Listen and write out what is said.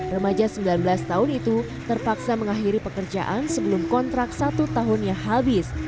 remaja sembilan belas tahun itu terpaksa mengakhiri pekerjaan sebelum kontrak satu tahunnya habis